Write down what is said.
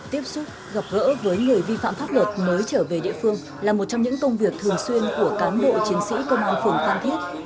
tiếp xúc gặp gỡ với người vi phạm pháp luật mới trở về địa phương là một trong những công việc thường xuyên của cán bộ chiến sĩ công an phường phan thiết